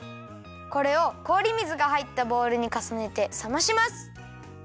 これをこおり水がはいったボウルにかさねてさまします。